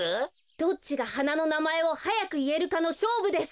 どっちがはなのなまえをはやくいえるかのしょうぶです。